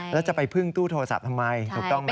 แล้วจะไปพึ่งตู้โทรศัพท์ทำไมถูกต้องไหม